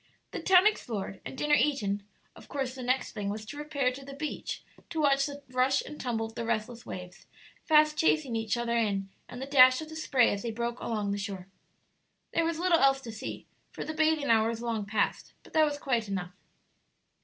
The town explored and dinner eaten, of course the next thing was to repair to the beach to watch the rush and tumble of the restless waves, fast chasing each other in, and the dash of the spray as they broke along the shore. There was little else to see, for the bathing hour was long past; but that was quite enough.